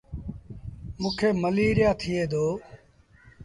موݩ کي مليٚريآ ٿئي دو۔